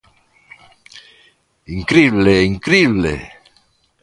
¡Incrible!, ¡incrible!